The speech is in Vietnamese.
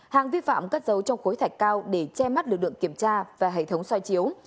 hàng vi phạm cất dấu trong khối thạch cao để che mắt lực lượng kiểm tra và hệ thống xoay chiếu